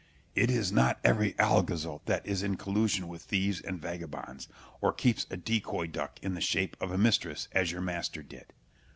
It is not every alguazil that is in collusion with thieves and vagabonds, or keeps a decoy duck in the shape of a mistress, as your master did.